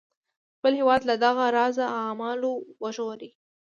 خپل هیواد له دغه راز اعمالو وژغوري.